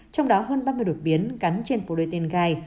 trong đó hơn ba mươi đột biến gắn trên phổ đôi tên gai